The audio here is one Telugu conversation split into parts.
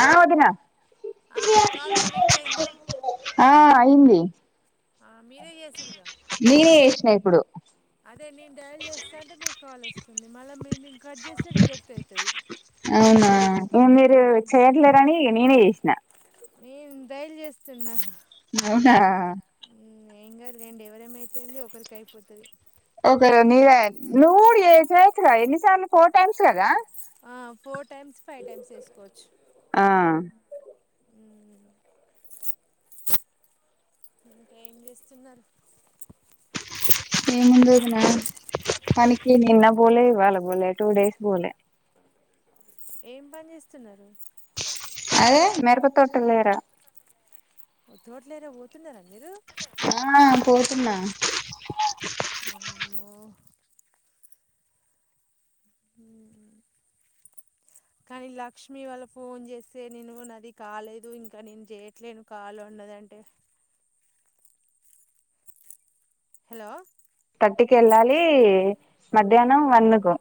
ఆ వదిన ఆ కల్ కనెక్ట్ అయి్యందా అయింది ఆ మీరే చేసారుగా అదే నేను డైల్ చేస్తా అంటే మీకు కాల్ వస్తా మల్లా నేను అవునా ఏ మీరు చేయట్లేరని నేనే చేసినా నేను డేల్ చేేస్తున్నా అవునా ఏం కాదు రెండి ఎవరేమైతేంది ఒకరికి అయిపోతుది [unintelligible] చేయొచ్చు గా ఎన్నిసార్లు ఫోర్ టైమ్స్ కదా ఆ ఫోర్ టైమ్స్ ఫైవ్ టైమ్స్ చేసుకోవచ్చు [unintelligible] ఇంకా ఏం చేస్తున్నారు ఏం ఉంది వదిన పనికి నిన్న పోలే ఇవ్వాల పోలే టూ డేస్ పోలే ఏం పని చేస్తున్నారు అదే మేరుప తోటల్లో తోట్లేర పోతున్నారా మీరు ఆ పోతున్నా కానీ లక్ష్మిీ వాళ్ళ ఫోన్ చేస్తే నేను నాది కాలేదు ఇంకా నేను చేయట్లేను కాలు అన్నదంటే హలో ట్టికేళ్ళాలి మధ్యానం వన్నుకో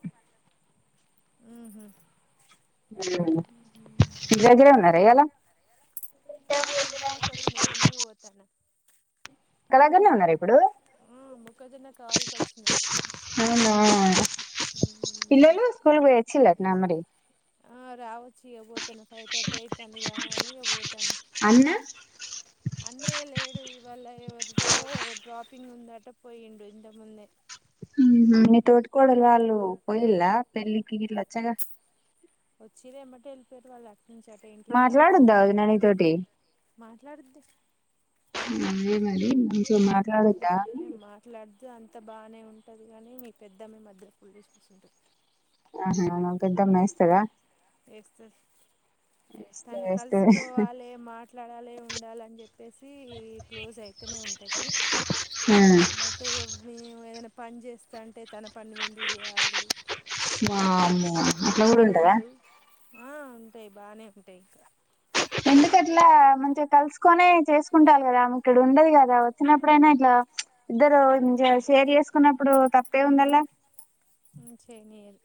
ఉహ్ హు ఇంటీ దగ్గరే ఉన్నా యల ఓ చెల్లి కాడ వచ్చిన ఇగ ఇంటికి పోతన్న కళాగార్లో ఉన్నార ఇప్పుడు అవునా పిల్లలు స్కూల్ పోయిచ్చిలాట్న మరి ఆ రావచ్చి ఎవర్ తన్న ఫై థర్టీ అయితంది గాద కానీ ఒకో [unintelligible] అన్నాయ్యా లేడు. ఇవాలా ఎవరి దో డ్రాపింగ్ ఉందట పోయిండు. ఇంతకు ముందే ఉహు నీ తోటికోడల్ వాళ్ళు పోయిలా పెళ్ళికి గిట్లా వచ్చ. వచ్చిరేమటె వెళ్ళిపోయరు. వాళ్ళు మాట్లాడుద్దా వదిన నీతోటి, మాట్లాడుద్ది. అదే మరి నీతో మాట్లాడుద్దా. ది అంత బాగానే ఉంటది. కానీ మీ పెద్దమ్మ మధ్యలో పుల్లేసి కూసుంటది. ఆహా నా పెద్దమ్మా ఎస్తదా. ఏస్తది. తను కలిసిపోవాలి మాట ట్లాడాలే ఉండాలని చెప్పేసి క్లోజ్ అయితనే ఉంటది. బట్ మేము ఏదైనా పని చేస్తాంటే, తన పని నువ్ ఎందుకు చేయాలి. వామ్మో అట్లా కూడ ఉంటద. ఆ ఉంటాయి, బానే ఉంటాయి. ఇంకా ఎందుకట్లా మంచిగా కలుసుకనే చేసుకుంటారు కదా ఇక్కడ ఉండదు, కదా వచ్చినప్పుడైనా ఇట్లా ఇద్దరు ఇ షేర్ చేసుకున్నప్పుడు తప్పేముందల్లా. ఏం చేయనియదు.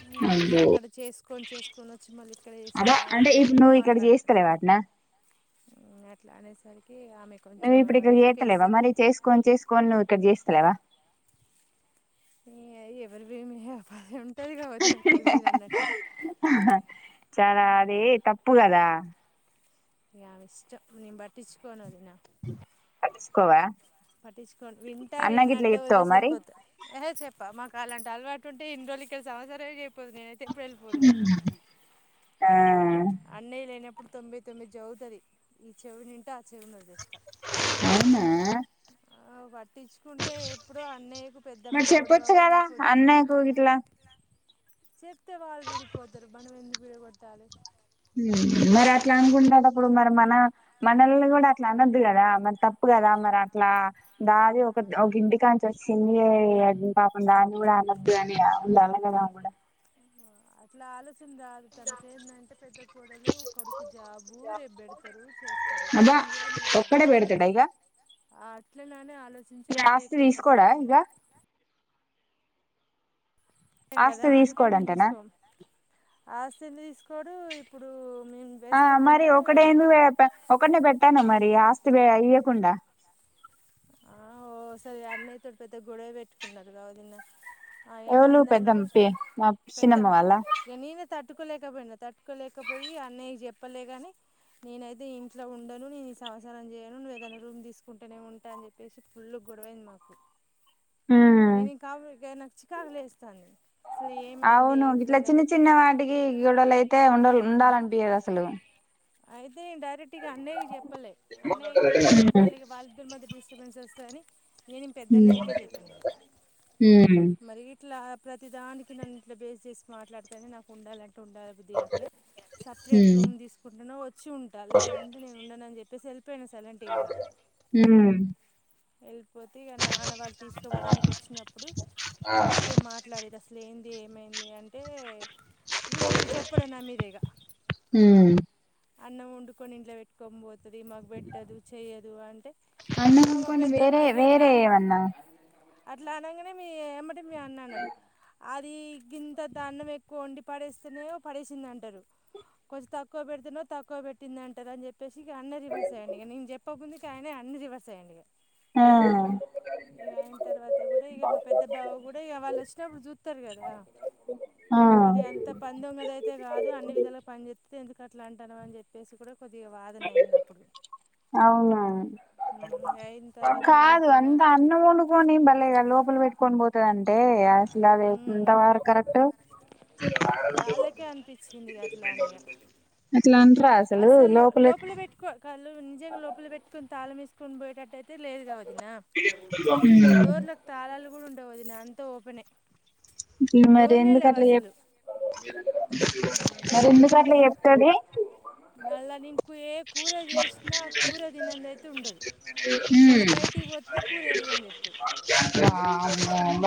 ఆ నువు అక్కడ చేసుకు కొని చేసుకోనోచ్చి మళ్ళీ అబ్బా అంటే ఇప్పుడు నువ్వు ఇక్కడ చేస్తాలే వదన. ఇంగ అట్ల అనేసరికి నువ్వు ఇప్పుడు ఇక్కడ చెత్తలేవా, మరి చేసుకోని చేసుకోని నువ్వు ఇక్కడ చేస్తలేవా. ఎవరి మీ ఆపాధ ఉంట [inaudible] అది కావ నని ఒక్కరు మీరు అన్నట్టు. ఆ [inaudible] [unintelligible] చాలా అదే తప్పు కదా. ఇ ఇష్టం నేను పట్టించుకోను, అది వదిన కలుసుకోవా పట్టించుకోండి వింటా విననట్టటు వదిలేసిలిపోత ఏ చెప్ప పామ్మ కాల అంట అలటుంటే ఇ రోజులకిలిసి అవసరమ చె పోదు నేనైతే ఎప్పుడో ఎల్లిపోదును ఆ అన్నయ్య లేనప్పుడు తొంభై తొమ్మిది చదువుతది ఈ చెవు నింట జీవన ఉద్దేశ [unintelligible] పట్టించుకుంటే ఎప్పుడో అన్నయ్యకు పెద్దమ్మ గొడవ విడిపోదు చె ప్తే వాళ్ విడిపోతరు మనమెందు విడ గొట్టాలె మరి అట్లా అనుకుంటెడప్పుడు మరి మన మనల్ని కూడా అట్లా అనద్దు కదా మరి తప్పు కదా మరి అట్లా దది ఒక ఒక ఇంటికాంచి వచ్చింది అది పాపం కాని కూడా అనద్దుగాని ఉండాల కదా కూడా అట్లా ఆలో అసలు రాదు తనకేందంటే పెద్ద కోడలు కొడుకు జాబు రేపు పెడతారు చేస్తారు నేను చేయను కదా ఇట్ల ననే ఆలోచించి అట్టే ఎక్కువ సపోటు ఉంటడు ఏం కదా అందుకే మేము చూసుకోం ఆ [unintelligible] తీసుకోవడు ఇప్పుడు ఆ మరి ఒకడే ఎందు ఒకటినే పెట్టండి మరి ఆస్తి ఇయ్యకుండా ఆ ఓ సరి అన్నయ్య తోటి పెద్ద గొడవ పెట్టుకున్నారు కా వదిన ఎవళు పెద్దమ పె మా సిన్నమ వాళ్ళా తట్టుకోలేకపోయినా తట్టుకోలేకపోయి అన్నయ్యకి చెప్పలే కాని నేనైతే ఇంట్లో ఉండను నేను ఈ సంసారం చేయను నువ్వు ఏదైనా రూమ్ తీసుకుంటేనే ఉంటా అని చెప్ప ప్పేసి ఫుల్లు గొడవైంది మాకు న న కాబ ఇ నాకు చికాకులే వస్తాంది అసలు ఏమైంది ఏంటిది అని అడిగితే [unintelligible] డైరెక్ట్గ అన్నయ్యకి చెప్పలే అన్నయ్య కి చెప్తే మళ్ళి ఇక వాళ్ళద్దరి మధ్య డి చేస్తని [unintelligible] నేనెమొ పెద్దన్నయ్యకే చెప్పిన ఇక మరి గిట్లా ప్రతి దానికి నన్ను ఇట్లా బేస్ చేసి మాట్లాడితేనే నాకు ఉండాలంటే ఉండబుద్ధి కావట్లే సెపరేట్ రూమ్ తీసుకుంటె నె వచ్చి ఉంటా లేదంటే నేను ఉండనని చె ద సెల్ [unintelligible] హుమ్ ఎల్ పోతే ఇక నాన్న వాళ్ళు తీసుకుపోవడానికి వచ్చినప్పుడు ఇక గట్టిగా మాట్లాడిరు అసలు ఏం ఏమైంది అంటే వీళ్ళు ఇక చెప్పడు నా మీద ఇక అన్నం వండుకొని ఇంట్లో పెట్టుకొని పో ఇది మాకు పెట్టదు చెయ్యదు అంటే హుమ్ ఇంకొన్ని వేరే వేరే ఏవన్నా అట్లా అనంగానే మీ ఏమం అంటే మీ అన్న అన్నడు అదీ గింతంత అన్నం ఎక్కువ వండి పడేస్తేనే పడేసింది అంటారు కొంచెం తక్కువ పెడితెనో తక్కువ పెట్టింది అంటారు అని చెప్పి అ జస్ట్ ఇగ ఆన్నే రివర్స్ అయ్యిండు ఇగ నేను చెప్పక ముందే నాకు ఆయనే అన్ని రివర్స్ చేయండిగా ఇగ అయిన తర్వాత కూడా ఇగ మా పెద్ద బావ కూడా ఇగ వాళ్ళు వచ్చినప్పుడు చూస్తారు కదా మరి అంత పందొంగది అయితే కాదు అన్ని విధాలుగా పనిచే ఎందుకు అట్ల అంటాన్నావ్ అని చెప్పేసి కూడా కొద్దిగా వాదన అయింది అప్పుడు అవునా... కాదు అంత అన్నం వండుకొని భలేగా లోపల పెట్టుకొని పోతది అంటే అసలు అది ఎంత వరకు కరెక్ట్ అలా అసలు లోపల పెట్టుకొ కాళ్ళు తీగలు లోపల పెట్టుంట తాళం ఎస్కోని పోయేటట్టైతే లేదు గా వదినా డోర్లకు తాళాలు కూడా ఉంట ఓ వదిన అంతా ఓపెనే మరి ఎందుకు అట్ల చెప్ మరి ఎందుకు అట్ల చెప్తది మల్ల నీకు ఏ కూర చేసిన ఆ కూర తినంది అయితే ఉండదు. మల్ల బయటికి పోతే కూర చెయ్యలేదని చెప్తది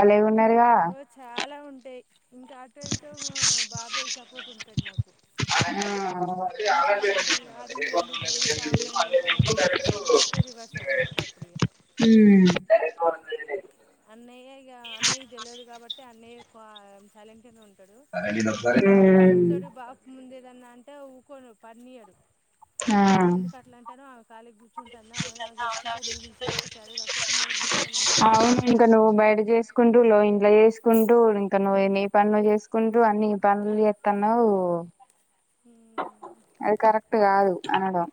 అ లేవు ఓ చాలా ఉంది పేయ్ ఇంకా అటో ఇటో బాబాయ్ సపోర్ట్ ఉంటది నాకు అనూష అలాంటిది కాదు నువ్వు ఎందుకు ద ఊకె ఆ అమ్మాయినే అంటున్నారు అని చెప్పేసి బాపే రివర్స్ అవుతాడు అప్పుడప్పుడు ఇగ అన్నయ్య ఇగ అన్నయ్య కాబట్టి అన్నయ్య ఎక్కువ సైలెంట్ గానే ఉం ఇగ బాపుజూతడు బాపు ముందే ఏదన్నా అంటే ఊకోొను పనీయరు ఆ పిల్లని ఎందుకు అట్లా అంటారు ఆ కాలిగా కూర్చుంటన్న ఆవనే అవి చేసుకుంటా నీవు నీవి ఇ చేసుకొచ్చ చేతకాకపోతే నోరు ముస్కోని కూర్చొని ఉండాలని ఆనే అంటాడు ఇంట్ల చేసుకుంటూ ఇంకా నువ్వు నీ పని నువ్వు చేసు చేసుకుంటూ అన్ని పనులు చేస్తున్నావ్ అది కరెక్టు కాదు అనడం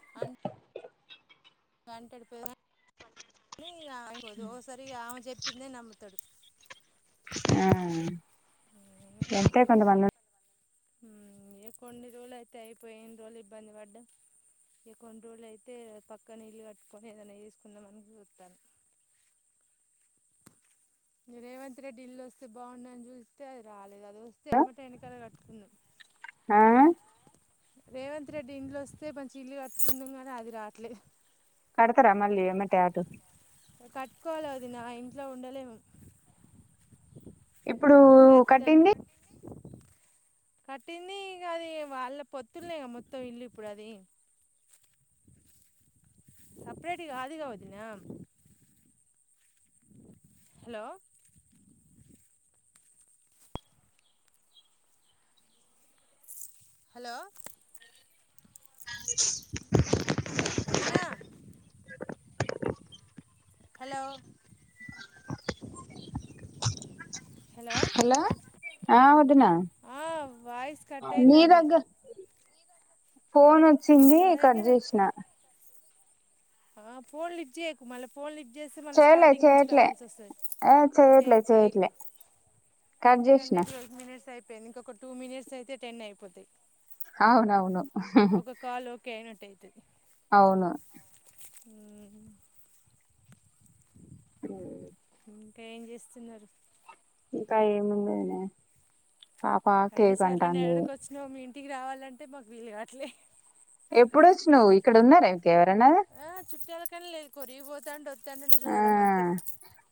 గంటేడుపెన ని ఇగా అయిపో ఓసారి ఇగా ఆమె చెప్పి పిందె నమ్ముతాడు ఆ గంతె కొంతమంది ఉన్ హు ఇగా కొన్ని రోజులు అయితే అయిపోయెన్ని రోజులు ఇబ్బంది పడ్డాం ఇగా కొన్ని రోజులు అయితే పక్కన ఇల్లు కట్టుకొని ఏదైనా చేసుకుందామ్ మని చూస్తన్నాం రేవంత్ రెడ్డి ఇల్లు వస్తే బాగుండని చూస్తే అది రాలేదు అది వస్తే ఎమ్మటె వెనకల కట్టుకున్నాం ఆ రేవంత్ రెడ్డి ఇండ్లు వస్తే మంచి ఇల్లు కట్టుకుందుము గాని అది రావట్లే కడ్తరా మళ్ళీ ఎమ్మటే అటు కట్టుకోవాలి వదిన ఇంట్లో ఉండలేము ప్రతిదనికీ కట్టింది ఇగ అది వాళ్ళ పోతుల్నే ఇగా మొత్తం ఇల్లు ఇప్పుడు అది సప్రేట్ గదుగా వదినా హాలో హాలో వదినా హాలో హలో ఆ వదిన నీదగ్గర ఫోన్ వచ్చింది కట్ జెస్నా ఆ ఫోన్లిఫ్ట్ జెయకు మళ్ళీ ఫోన్ చేస్తే మళ్ళీ స్టార్టింగ్ నుంచి రావాల్సి వస్తుంది చేయకు చేయకు ఎందుకంటే ఇప్పటివరకు మినిట్స్ అయిపో న్ ఒక టూ మినిట్స్ అయితే టెన్ అయిపోతాయి అవునవును ఒక కాల్ ఓకే అయినట్ త్ ఉ ఉ ఏంజేస్తున్నారు టైముందోదినే పాప కేక్ అంటాంది ఇంటికి రావాలంటే మాకు వీలు కాట్లే ఎప్పుడోచ్చినవ్ ఇక్కడ ఉన్నర ఇంక ఎవరన్నా చుట్టాలకని లేదు కొరివి పోతాంది ఒ ఆ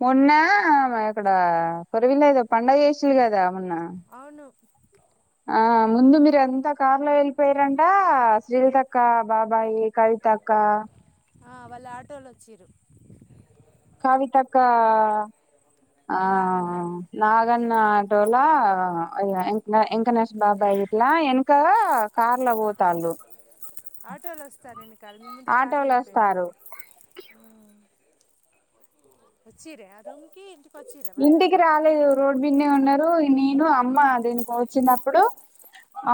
మొన్న ఇక్కడ కొరివి లేదో పండగజేసిళ్ళు కదా మొన్న ఆ ముందు మీర ఎంత కారులో వెళ్ళిపోయారంట శ్రీలితక్క బాబాయి కవితక్క ఆ వాళ్ళు ఆటోలో వచ్చిర్రూ కవితక్కా ఆ నాగన్న ఆటోలా అయం వెంకనేష్ బాబాయి గిట్ల ఎనకాల కార్ల పోతాళ్ళు ఆటోలో వస్తారం గల్మ ముందు కార్ల ఎళ్ళిపోయినం. వచ్చింరా రూమ్కి ఇంటికి రాలేదు రోడ్ మీద్నే ఉన్నరు. నేను అమ్మ అదేను వచ్చినప్పుడు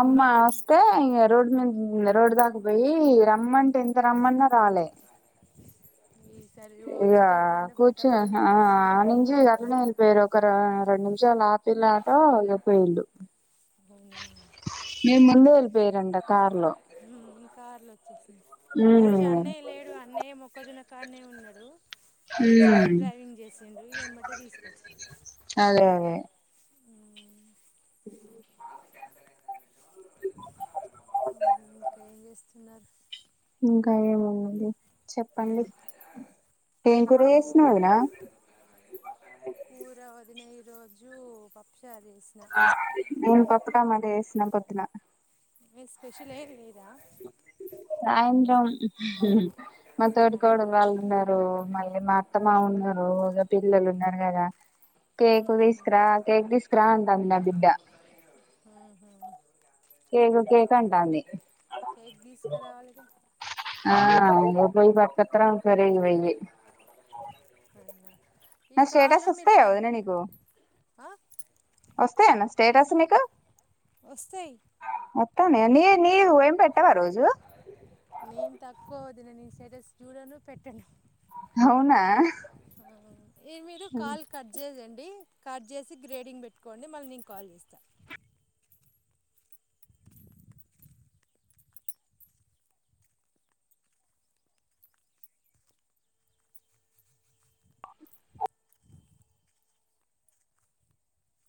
అమ్మా వస్తే ఇగ రోడ్డు మీద రోడ్డు దాకపోయి రమ్మంటే ఎంత రమ్మన్నా రాలే ఇగ కూర్చుని ఆ నుంచి అట్నే వెళ్ళిపోయారు ఒక ఆ రెండు నిమిషాల్ ఆపిన్లటా ఇగ పోయింలు మీ మల పేరంట కార్లో ఉమ్ మేం కార్లో వచ్చేశాం ఆ రోజు అన్నయ్య లేడు అన్నయ్య మొక్కజోన్న అక్కనే ఉన్నడు. మన చింటు డ్రైవింగ్ చేసిండు. ఇగ ఎమ్మటే తీసుకొచ్చిండు. ఇంకా ఏం చేస్ స్తున్నారు. ఇంకా ఏమున్నది చెప్పండి. ఏం కూర చేసినవ్ రా రోజు పప్పు చా నేను పప్పు టమాట చేస్ న పొద్దున. మీ స్పెషల్ ఏం లే సాయంత్రం. హ్ మ్ మా తోటి కోడళ్ళు వాళ్ళు ఉన్నారు మా మా అత్త మామ ఉన్నారు పిల్లలు ఉన్నారు కదా కేక్ తీసుకురా కేక్ తీస్ రా అంటంది నా బిడ్డ హ హా కేక్ కేక్ అంటాంది. కేక్ తీస్కా రావలేగా ఆ పోయి పట్కతరా కరెంట్ పొయింది. అనా [inaudible] నా స్టేటస్ వస్తాయా, వదిన నీకు వస్తాయా. స్టేటస్ నీకు వత్తనయ నీ నీ ఎం పెట్టావా రోజు. నేను తక్కువ వదిన నేను స్టేటస్ చూడను, పెట్టను. అవునా ఈ మీరు కాల్ కట్ చేస్ కట్ చే గ్రేండింగ్ పెట్టుకోండి. మళ్ నేను కాల్ చేస్తా.